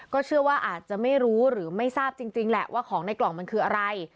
เชื่อว่าอาจจะไม่รู้หรือไม่ทราบจริงแหละว่าของในกล่องมันคืออะไร